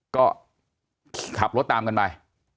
ก็ขับรถตามกันไป